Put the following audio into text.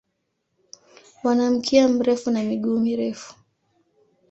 Wana mkia mrefu na miguu mirefu.